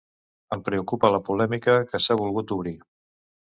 Em preocupa la polèmica que s’ha volgut obrir.